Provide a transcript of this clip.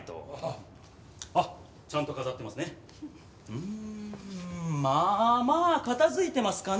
うんまあまあ片付いてますかね。